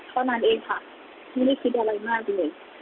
เท่านั้นเองค่ะไม่ได้คิดอะไรมากเลย